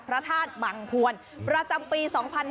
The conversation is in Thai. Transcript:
พระธาตุบังพวนประจำปี๒๕๕๙